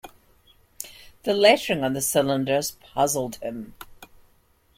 The lettering on the cylinders puzzled him.